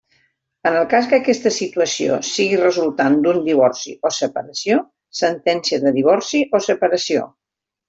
En el cas que aquesta situació sigui resultant d'un divorci o separació, sentència de divorci o separació.